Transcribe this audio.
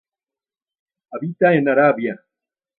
Habita en Arabia.